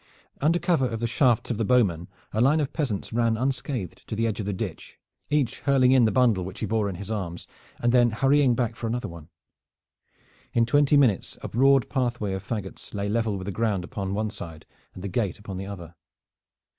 Under cover of the shafts of the bowmen a line of peasants ran unscathed to the edge of the ditch, each hurling in the bundle which he bore in his arms, and then hurrying back for another one. In twenty minutes a broad pathway of fagots lay level with the ground upon one side and the gate upon the other.